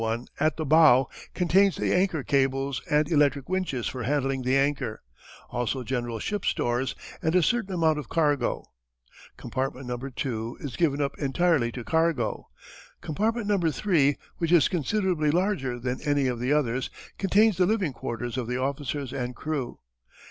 1, at the bow, contains the anchor cables and electric winches for handling the anchor; also general ship stores, and a certain amount of cargo. Compartment No. 2 is given up entirely to cargo. Compartment No. 3, which is considerably larger than any of the others, contains the living quarters of the officers and crew.